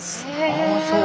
ああそう。